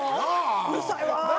うるさいわ。